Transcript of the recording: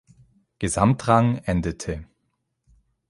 Gesamtrang endete.